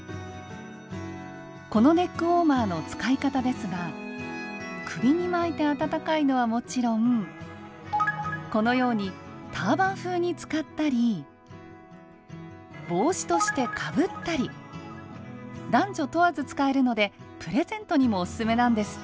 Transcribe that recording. このネックウォーマーの使い方ですが首に巻いて温かいのはもちろんこのようにターバン風に使ったり帽子としてかぶったり男女問わず使えるのでプレゼントにもおすすめなんですって。